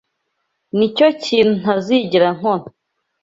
Nicyo kintu ntazigera nkora.